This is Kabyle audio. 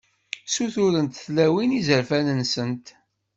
Ssuturent tlawin izerfan-nsent.